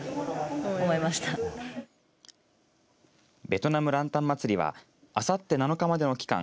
ベトナム・ランタンまつりはあさって７日までの期間